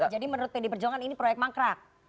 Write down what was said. jadi menurut pd perjuangan ini proyek mangkrak